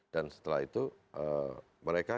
dan setelah itu mereka